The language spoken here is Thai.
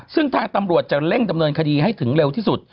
ซึ่งทางตำรวจจะเร่งดำเนินคดีให้ถึงเร็วที่สุด